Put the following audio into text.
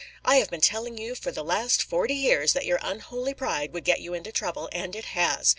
"I have been telling you for the last forty years that your unholy pride would get you into trouble, and it has.